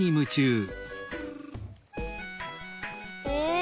え？